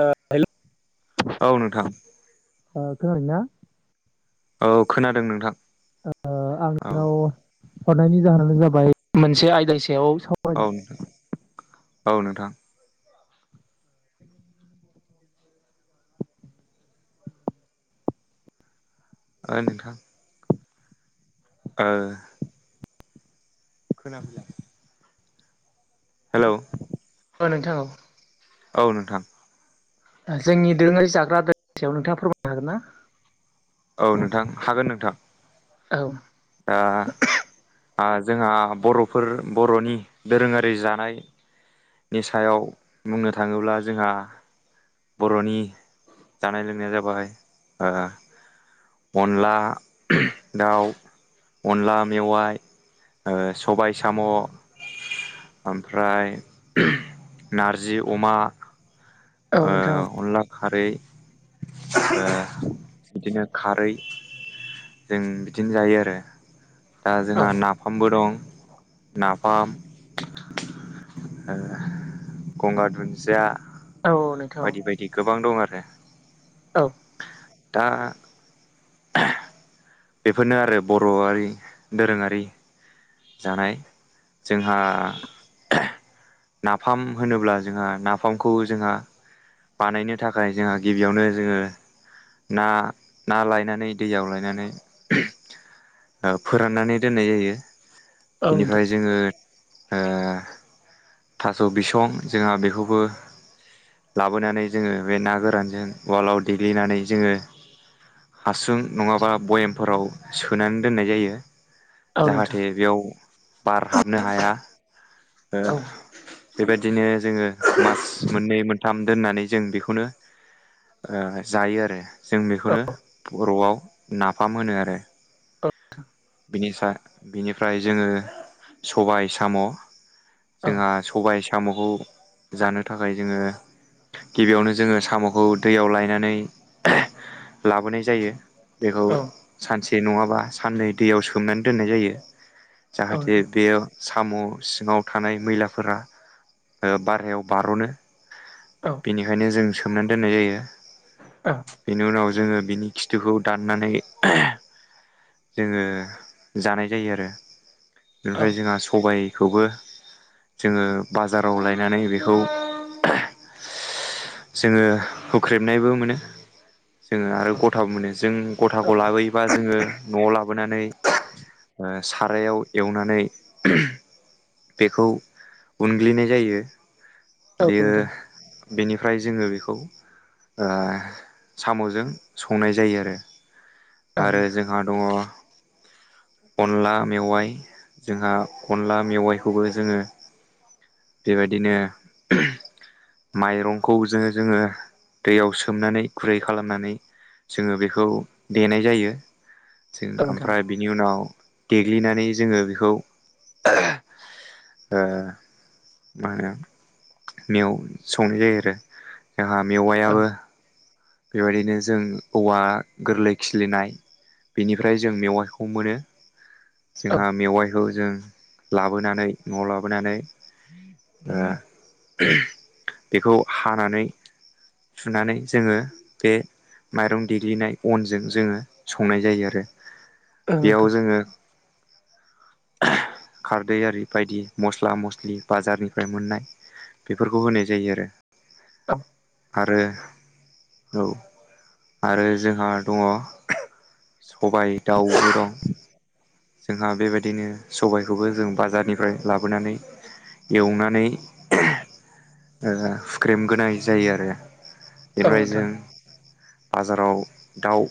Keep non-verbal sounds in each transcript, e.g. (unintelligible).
ओ हेल' औ नोंथां। ओ खोनादोंना? औ खोनादों नोंथां। ओ औ आंनाव हरनायनि जाहोनानो जाबाय मोनसे आयदानि सायाव औ सावरायनो नोंथां औ नोंथां। ओ नोंथां। ओ खोनाफैला। हेल' ओ नोंथां औ। औ नोंथां। जोंनि दोरोङारि जाग्रा (unintelligible) सायाव नोंथाङा फोरमायनो हागोन ना? औ नोंथां हागोन नोंथां। औ। ओ जोंहा बर'फोर बर'नि दोरोङारि जानाय नि सायाव बुंनो थाङोब्ला जोंहा बर'नि जानाय लोंनाया जाबाय ओ अनला दाउ अनला मेवाइ ओ सबाय साम' ओमफ्राय नारजि अमा औ ओ नोंथां अनला खारै ओ बिदिनो खारै जों बिदिनो जायो आरो दा औ जोंहा नाफामबो दं नाफाम (inaudible) ओ गंगार दुन्दिया औ नोंथां बायदि बायदि गोबां दं आरो औ। दा बेफोरनो आरो बर'आरि दोरोङारि जानाय जोंहा नाफाम होनोब्ला जोंहा नाफामखौ जोंहा बानायनो थाखाय जोंहा गिबियावनो जोङो ना-ना लायनानै दैयाव लायनानै ओ फोराननानै दोननाय जायो नोंथां बेनिफ्राय जोङो ओ थास' बिसं जोंहा बेखौबो लाबोनानै जोङो बे ना गोरानजों उवालाव देग्लिनानै जोङो हासुं नङाबा बयेमफोराव सोनानै दोननाय जायो औ नोंथां जाहाथे बेयाव बार हाबनो हाया ओ औ नोंथां औ औ बेबायदिनो जोङो मास मोननै मोन थाम दोननानै जों बेखौनो ओ जायो आरो जों बेखौनो बर'आव नाफाम होनो आरो ओ बिनिफा बिनिफ्राय जोङो सबाय साम' जोंहा सबाय साम'खौ जानो थाखाय जोङो गिबियावनो जोङो साम'खौ दैयाव लायनानै लाबोनाय जायो बेखौ सानसे नङाबा साननै दैयाव सोमनानै दोननाय जायो जाहाथे नोंथां बेयाव साम' सिङाव थानाय मैलाफोरा ओ बारहायाव बार'नो बेनिखायनो जों सोमनानै दोननाय जायो बेनि उनाव जोङो बिनि खिथुखौ दाननानै जोङो जानाय जायो आरो ओमफ्राय जोंहा सबाय खौबो जोङो बाजाराव लायनानै बेखौ जोङो हुख्रेबनायबो मोनो जोङो आरो गथाबो मोनो जों औ गथाखौ लाबोयोबा जोङो न'आव लाबोनानै ओ सारायाव एवनानै बेखौ उनग्लिनाय जायो नोंथां औ बेयो नोंथां बेनिफ्राय जोङो बेखौ ओ साम'जों संनाय जायो आरो आरो जोंहा दङ अनला मेवाइ जोंहा अनला मेवाइ खौबो जोङो बेबायदिनो माइरंखौ जों जोङो दैयाव सोमनानै गुरै खालामनानै जोङो बेखौ देनाय जायो जों आमफ्राय बिनि उनाव देग्लिनानै जोङो बेखौ ओ मा होनो मेव संनाय जायो आरो जोंहा मेवायाबो बेबायदिनो जों औवा गोरलै खिलिनाय बेनिफ्राय जों मेवाइखौ मोनो जोंहा मेवाइखौ जों लाबोनानै न'आव लाबोनानै ओ बेखौ हानानै सुनानै जोङो बे माइरं देग्लिनाय अनजों जोङो संनाय जायो आरो बेयाव जोङो खारदै आरि बायदि मस्ला - मस्लि बाजारनिफ्राय मोननाय बेफोरखौ होनाय जायो आरो औ आरो औ आरो जोंहा दङ सबाय दाउबो दं जोंहा बेबायदि दिनो सबाय खौबो जों बाजारनिफ्राय लाबोनानै एवनानै ओ हुख्रेमगोनाय जायो आरो औ बेनिफाय जों नोंथां बाजाराव दाउ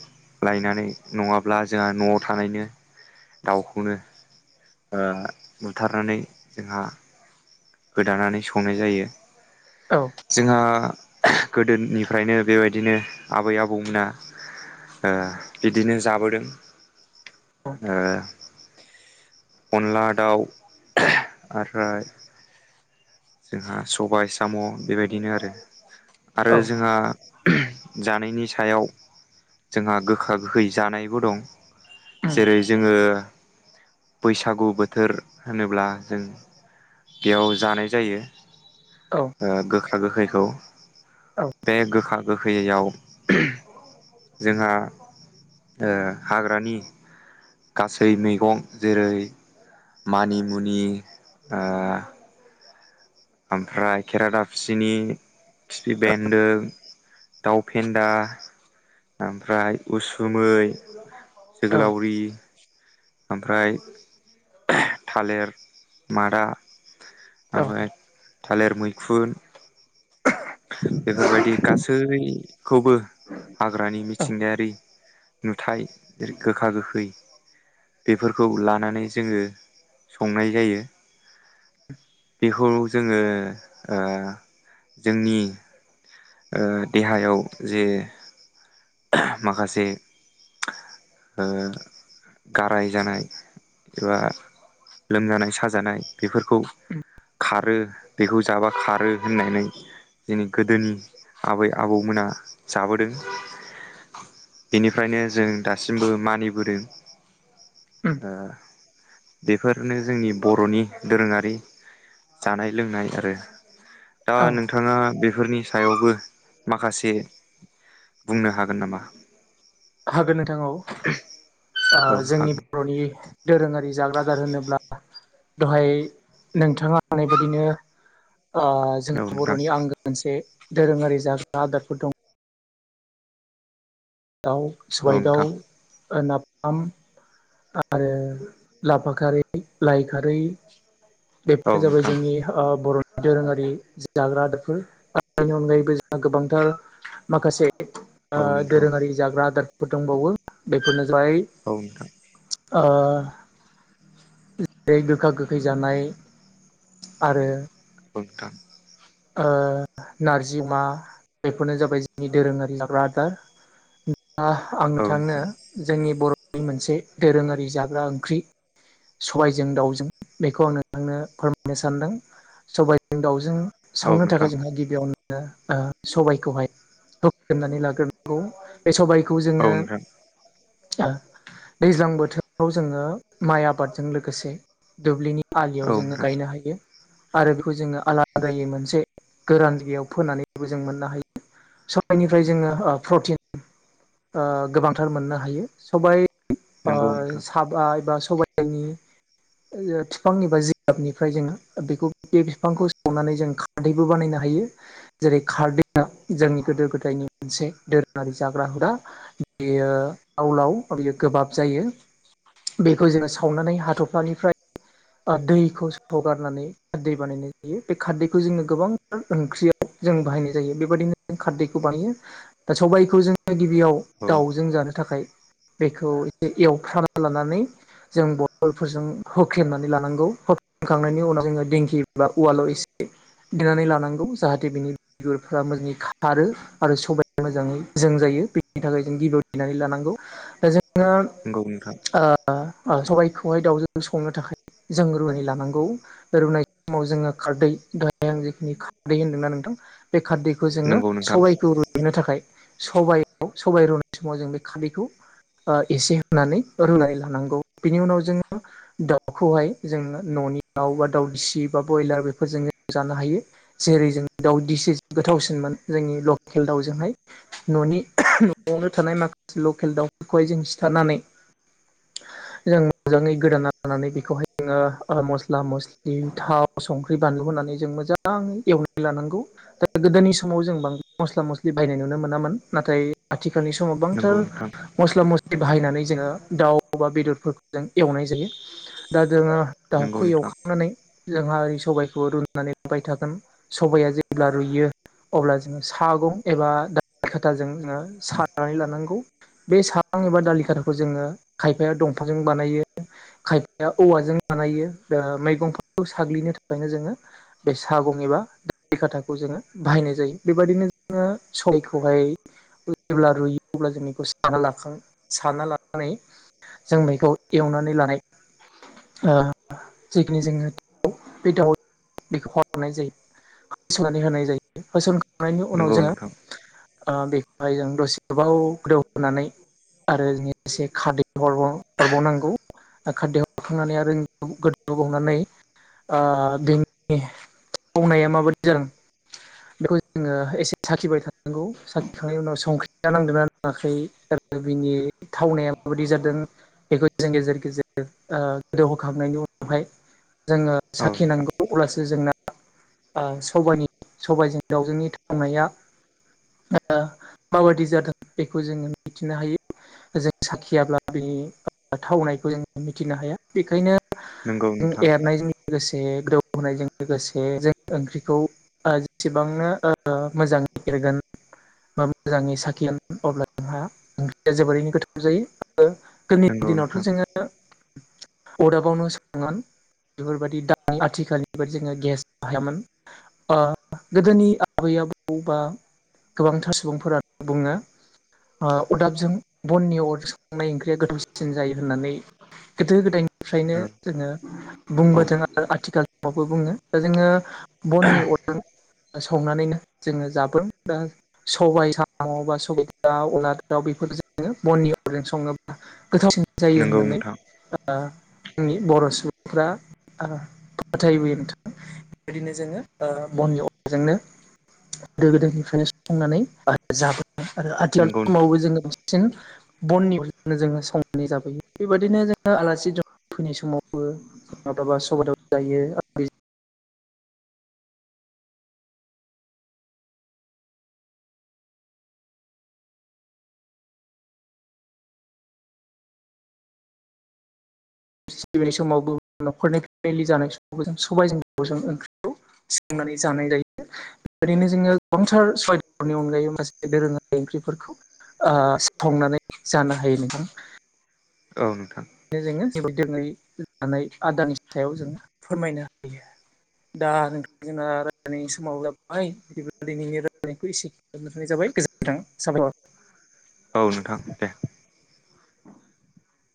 लायनानै नङाब्ला जोंहा न'आव थानायनो दाउखौनो ओ बुथारनानै जोंहा गोदानानै संनाय जायो औ जोंहा गोदोनिफ्रायनो बेबायदिनो आबै आबौमोना ओ बिदिनो जाबोदों अनला दाउ आफ्राय जोंहा सबाय साम' बेबायदिनो आरो आरो जोंहा जानायनि सायाव जोंहा गोखा गोखै जानायबो दं औ जेरै जोङो बैसागु बोथोर होनोब्ला जों बेयाव जानाय जायो ओ गोखा गोखैखौ औ बे गोखा गोखैयाव जोंहा ओ हाग्रानि गासै मैगं जेरै मानिमुनि ओ ओमफ्राय खेरादाफसिनि खिफि बेन्दों दाउफेन्दा ओमफ्राय उसुमै औ जोग्लावरि ओमफ्राय थालिर मादा ओमफ्राय थालिर मैखुन बेफोरबायदि गासैखौबो हाग्रानि मिथिंगायारि नुथाय गोखा गोखै बेफोरखौ लानानै जोङो संनाय जायो बेखौ जोङो ओ जोंनि ओ देहायाव जे माखासे ओ गाराय जानाय एबा लोमजानाय साजानाय बेफोरखौ खारो बेखौ जाबा खारो होननानै जोंनि गोदोनि आबै आबौमोना जाबोदों बेनिफ्रायनो जों दासिमबो मानिबोदों बेफोरनो जोंनि बर'नि दोरोङारि जानाय लोंनाय आरो दा औ नोंथाङा बेफोरनि सायावबो माखासे बुंनो हागोन नामा हागोन नोंथां औ ओ औ जोंनि हागोन बर'नि दोरोङारि जाग्रा दार होनोब्ला दहाय नोंथाङा होननाय बादिनो ओ औ जोंहा नोंथां बर'नि आंगो मोनसे दोरोङारि जाग्रा आदारफोर दं दाउ सबाय औ नोंथां दाउ नाफाम आरो लाफा खारै लाइ खारै औ बेफोरनो जाबाय नोंथां जोंनि ओ बर'नि दोरोङारि जाग्रा आदारफोरनि अनगायैबो जोंहा गोबांथार माखासे औ ओ नोंथां दोरोङारि जाग्रा आदारफोर दंबावो बेफोरनो जाबाय औ नोंथां ओ जेरै गोखा गोखै जानाय आरो औ नोंथां ओ नारजि अमा बेफोरनो जाबाय जोंनि दोरोङारि जाग्रा आदार आ औ थांनो नोंथां जोंनि बर'नि मोनसे दोरोङारि जाग्रा ओंख्रि सबायजों दाउजों बेखौ आं नोंथांनो फोरमायनो सानदों सबायाइजों दाउजों औ संनो थाखाय नोंथां जोंहा गिबियावनो सबायखौहायनानै लाग्रोनांगौ बे सबायखौ खौ औ जोङो नोंथां दैज्लां बोथोराव जोङो माइ आबादजों लोगोसे दुब्लिनि आलियाव औ जोङो नोंथां गायनो हायो आरो बेखौ जोङो आला आदायै मोनसे गोरानगायाव फोनानैबो जों मोननो हायो सबायाइनिफ्राय जोङो प्रटिन ओ गोबांथार मोननो हायो सबाय ओ नंगौ नोंथां साबा एबा सबायाइनि ओ बिफांनिबा जिगाबनिफ्राय जोङो बेखौ बे बिफांखौ सनानै जों खारदैबो बानायनो हायो जेरै खारदैआ जोंनि गोदो गोदायनि मोनसे दोरोङारि जाग्रा हुदा बेयो लावलाव बेयो गोबाब जायो बेखौ जोङो सावनानै हाथफ्लानिफ्राय बा दैखौ सगारनानै दै बानायनाय बे खारदैखौ जोङो गोबांथार ओंख्रियाव जों बाहायनाय जायो बेबायदिनो जों खारदैखौ बानायो दा सबायखौ जोङो गिबियाव औ दाउजों जानो थाखाय बेखौ ए (unintelligible) एवफ्रामना लानानै जों बथलफोरजों होखेमनानै लानांगौ होखेमखांनायनि उनाव जोङो दिंखि बा उवाल इसे देनानै लानांगौ जाहाथे बिनि बिगुरफ्रा मोजाङै खारो आरो सबाय मोजाङै जों जायो बेनि थाखाय जों (unintelligible) गिनानै लानांगौ दा जों ङो नंगौ नोंथां ओ सबायाइखौहाय दाावजों संनो थाखाय जों रु (unintelligible) लानांगौ रुनाय समाव जोङो खारदै दाहाय आं जेखिनि खारदै होन्दोंना नोंथां बे खारदैखौ जोङो नंगौ नोंथां सबायखौ रुइनो थाखाय सबयाव सबायाइ रुनाय समाव जों बे खारदैखौ ओ एसे होनानै रुनानै लानांगौ बिनि उनाव जोङो दाउखौहाय जोङो न' (unintelligible) बा बयलार बेफोरजोंनो जानो हायो जेरै जों दाउदिसिस गोथावसिनमोन जोंनि लके लखेल दाउजोंहाय न'नि न'आवनो थानाय माखासे लकेल दाउफोरखौहाय जों सिथारनानै जों मोजाङै गोदाना लानानै बेखौहाय जोङो मस्ला मस्लि थाव संख्रि बानलु होननानै जों मोजाङै एवनानै लानांगौ दा गोदोनि समाव जों बांद्राय मस्ला मस्ला मस्लि बायनाय नुनो मोनामोन नाथाय आथिखाल फोरनि समाव गोबांथार नंगौ नोंथां मस्ला मस्लि बाहायनानै जोङो दाउ बा बेदरफोर (unintelligible) जों एवनाय जायो दा जोङो नंगौ दाउखौ नोंथां एवखांनानै जोंहा सबाइखौ रुनानै लुबाय थागोन सबाइआ जेब्ला रुयो अब्ला जोङो सागं एबा दालि खाथाजों जोङो सानानै लानांगौ बे साहां एबा दालि खाथाखौ जोङो खायफाया दं (unintelligible) जों बानाय खाय औ जों बानाय ओ मैगं (unintelligible) खौ साग्लिनो थाखायनो जोङो बे सागं एबा दालि खाथाखौ जोङो बाहायनाय जायो बेबायदिनो जोङो सयखौहाय जेब्ला रुयो अब्ला जों बेखौ साना लाखां साना लानानै जों बेखौ एवनानै लानाय ओ जिखिनि जोङो बे दाउ (unintelligible) जायो होसोननानै होनाय जायो होसन खांनायनि उनाव नंगौ जोङो नोंथां ओ बेखौहाय जों दसे गोबाव गोदौ होनानै आरो एसे खादै हरबाव हरबावनांगौ खारदैयाव हरखांनानै आरो गोदौ बावनानै ओ बेनि मावनाया माबादि जादों बेखौ जोङो एसे साखिबाय थानांगौ साखिखांनायनि उनाव संख्रिया नांदोंना नाङाखै बिनि थावनाया माबायदि जादों बेखौ जों गेजेर गेजेर ओ गोदौ होखांनायनि जोङो औ नोंथां साखिनांगौ अब्लासो जोंना ओ सबानि सबायजों दाउजोंनि थावनाया ओ माबादि जादों बेखौ जोङो मिथिनो हायो। जों साखियाब्ला बिनि थावनायखौ जोङो मिथिनो हाया बेखायनो नोंगौ जों नोंथां। एरनायजों लोगोसे। दौ होनायजों लोगोसे जों ओंख्रिखौ जेसेबांनो मोजाङै। जागोन। बा मोजाङै साखिना अब्ला जोंहा ओंख्रोया जोबोरैनो गोथाव जायो। नंगौ गोदोनि दिनावथ' नोंथां जोङो अरदाबावनो सङोमोन। बेफोरबायदि दा आथिखालनि बदि जोङो गेस बाहाया मोन गोदोनि आबै। आबौ गोबांथार सुबुंफोरानो बुङो। अरदाबजों बननि अर सखांनाय ओंख्रिया गोथौसिसिन जायो होननानै। गोदो गोदायनिफ्रायनो औ जोङो। बुंबोदों आरो आथिखालावबो बुङो दा जोङो बननि अरजों। संनानैनो जोङो जाबो दा सबायाइ साम' बा सबाय दा अनलाजों दाउ। बेफोरखौ बननि अरजों संओबा गोथावसिन। जायो। नंगौ नोंथां फोथायबोयो नोंथां बेबायदिनो जोङो बननि अरजोंनो। गोदो गोदायनिफ्रायनो सुफंनानै जाबोदों आरो आथिखाल नंगौ नोंथां समावबो जोङो। बांसिन बननि अरजोङो संनानै जाबोयो बेबायदिनो जोङो आलासि फैनाय समाव। माब्लाबा सबादाब जायो आरो। सिबिनाय समाव न'खरनि फेलि जानाय समावबो जों सबाइजों जों ओंख्रिखौ। सोंनानै जानाय जायो। ओरैनो जोङो गोबंथार सयदनि अनगायै माखासे दोरोङारि ओंख्रिफोरखौ। ओ सावनानोय जानो हायो नोंथां। औ नोंथां। बेनो जोङो जेबो दोङै जानाय आदानि सायाव जोङो फोरमायनो हायो। दा नोंथांमोनहा रायलायनाय समाव जाबबाय बिदिब्ला दिनैनि रायलायनायखौ एसे खालामनो थानाय जाबाय। गोजोन्थों साबायखर। औ नोंथां दे।